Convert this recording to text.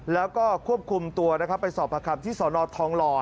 แล้วก็ควบคุมตัวนะครับไปสอบประคำที่สนทองหล่อ